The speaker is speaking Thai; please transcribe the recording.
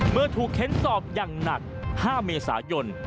เมื่อถูกเค้นสอบอย่างหนัก๕เมษายน